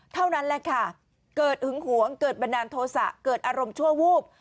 เท่านั้นแหละค่ะเกิดหึงหวงเกิดบันดาลโทษะเกิดอารมณ์ชั่ววูบ